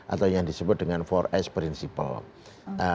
atau yang disebut dengan empat s principle